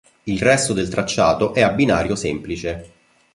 Il resto del tracciato è a binario semplice.